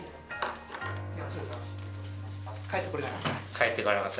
帰ってこれなかった。